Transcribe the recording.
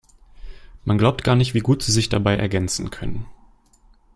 Man glaubt gar nicht, wie gut sie sich dabei ergänzen können.